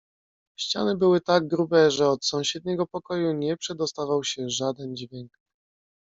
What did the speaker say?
"Ściany były tak grube, że od sąsiedniego pokoju nie przedostawał się żaden dźwięk."